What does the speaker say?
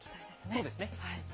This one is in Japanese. そうですね。